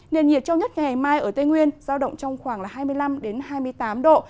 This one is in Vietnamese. nhiệt độ cao nhất ngày mai ở tây nguyên giao động trong khoảng hai mươi năm hai mươi tám độ